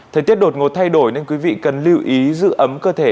thời tiết đột ngột thay đổi nên quý vị cần lưu ý giữ ấm cơ thể